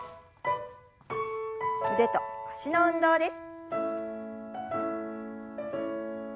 腕と脚の運動です。